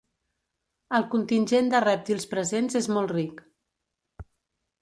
El contingent de rèptils presents és molt ric.